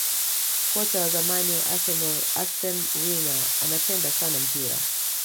kocha wa zamani wa arsenal arsene wenger anapenda sana mpira